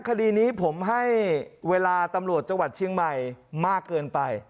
คดีนี้ผมให้เวลาตำรวจจังหวัดเชียงใหม่มากเกินไป